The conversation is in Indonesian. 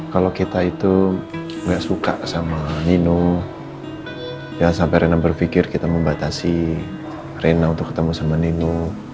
kalau kita itu nggak suka sama nino ya sampai rena berpikir kita membatasi rena untuk ketemu sama nino